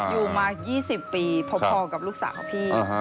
อยู่มา๒๐ปีพอกับลูกสาวพี่